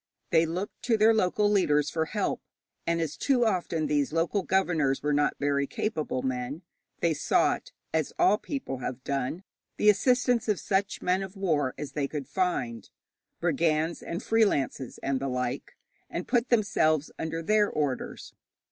They looked to their local leaders for help, and, as too often these local governors were not very capable men, they sought, as all people have done, the assistance of such men of war as they could find brigands, and freelances, and the like and put themselves under their orders.